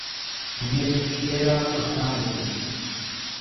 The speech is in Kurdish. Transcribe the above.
hûnê bi kê re qisan bikin.